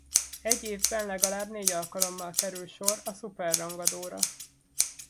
Egy évben legalább négy alkalommal kerül sor a szuper rangadóra.